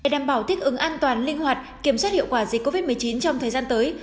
để đảm bảo thích ứng an toàn linh hoạt kiểm soát hiệu quả dịch covid một mươi chín trong thời gian tới